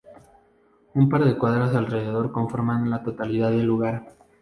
Un par de cuadras alrededor conforman la totalidad del lugar.